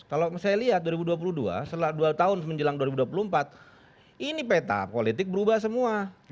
kalau saya lihat dua ribu dua puluh dua setelah dua tahun menjelang dua ribu dua puluh empat ini peta politik berubah semua